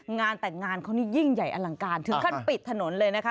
งานแต่งงานเขานี่ยิ่งใหญ่อลังการถึงขั้นปิดถนนเลยนะคะ